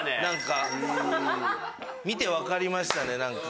なんか見てわかりましたね。